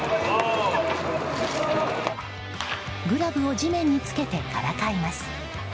グラブを地面につけてからかいます。